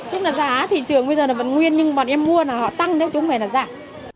tức là giá thị trường bây giờ là vẫn nguyên nhưng bọn em mua là họ tăng nếu chứ không phải là giảm